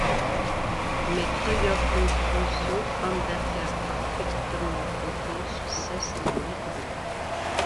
Mais treuvez ung tronsson d’homme parfaictement content sur ceste miette de boue.